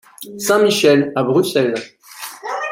Saint Michel,à Bruxelles.